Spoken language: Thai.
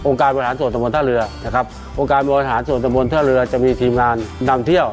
การบริหารส่วนตะบนท่าเรือนะครับองค์การบริหารส่วนตะบนท่าเรือจะมีทีมงานนำเที่ยว